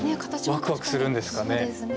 ワクワクするんですかね。